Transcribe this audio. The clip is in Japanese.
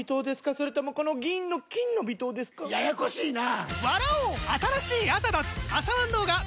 それともこの銀の「金の微糖」ですか？ややこしいなぁ！